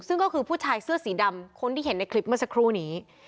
ซึ่งก็คือผู้ชายเสื้อสีดำคนที่เห็นในคลิปเมื่อสักครู่นี้